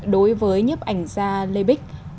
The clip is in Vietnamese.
đối với nhếp ảnh gia lê bích